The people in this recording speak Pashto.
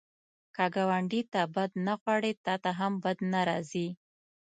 که ګاونډي ته بد نه غواړې، تا ته هم بد نه راځي